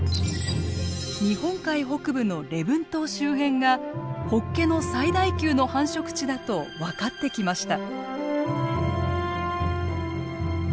日本海北部の礼文島周辺がホッケの最大級の繁殖地だと分かってきました。